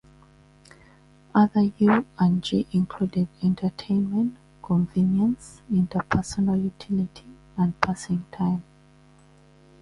Other U and G included entertainment, convenience, interpersonal utility, and passing time.